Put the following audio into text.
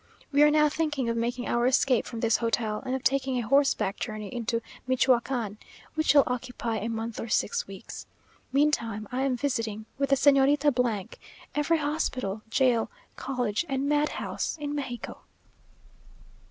We are now thinking of making our escape from this hotel, and of taking a horseback journey into Michoacán, which shall occupy a month or six weeks. Meantime I am visiting, with the Señorita , every hospital, jail, college, and madhouse in Mexico!